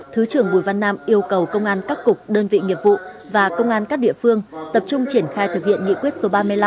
thứ trưởng bùi văn nam yêu cầu công an các cục đơn vị nghiệp vụ và công an các địa phương tập trung triển khai thực hiện nghị quyết số ba mươi năm